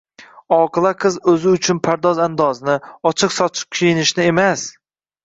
Oqila qiz o‘zi uchun pardoz-andozni, ochiq-sochiq kiyinishni emas